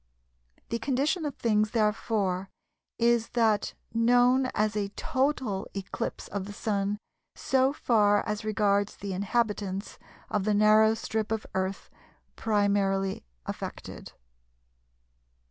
The condition of things therefore is that known as a "total" eclipse of the Sun so far as regards the inhabitants of the narrow strip of Earth primarily affected.